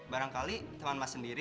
barangkali teman mas sendiri